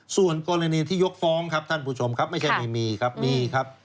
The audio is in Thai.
ส่วนกรณีที่ยกฟ้องครับท่านผู้ชมครับไม่ใช่ไม่มีครับมีครับ